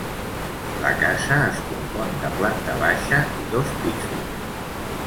La casa es compon de planta baixa i dos pisos.